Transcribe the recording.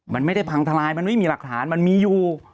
มันไม่ได้พังทลายมันไม่มีหลักฐานมันมีอยู่